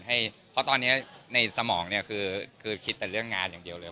เพราะตอนนี้ในสมองเนี่ยคือคิดแต่เรื่องงานอย่างเดียวเลย